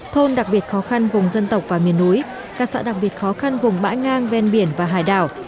thôn đặc biệt khó khăn vùng dân tộc và miền núi các xã đặc biệt khó khăn vùng bãi ngang ven biển và hải đảo